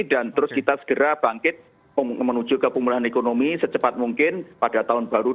dan terus kita segera bangkit menuju ke pemulaan ekonomi secepat mungkin pada tahun baru dua ribu dua puluh dua